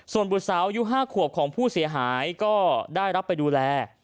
ส่วนบุตรสาวอายุ๕ขวบของผู้เสียหายก็ได้รับไปดูแล